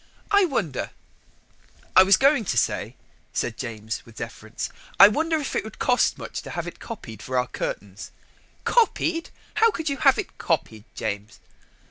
I wonder " "I was going to say," said James with deference, "I wonder if it would cost much to have it copied for our curtains." "Copied? how could you have it copied, James?"